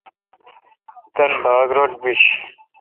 تان باگ رل بیش۔